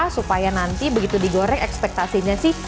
supaya nanti begitu digoreng ekspektasinya sih